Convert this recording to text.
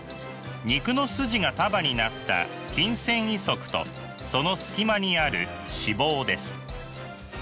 肉の筋が束になった筋繊維束とその隙間にある脂肪です。